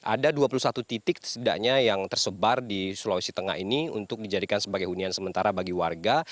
ada dua puluh satu titik setidaknya yang tersebar di sulawesi tengah ini untuk dijadikan sebagai hunian sementara bagi warga